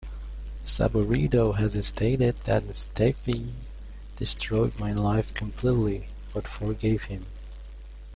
Saburido has stated that Stephey "destroyed my life completely," but forgave him.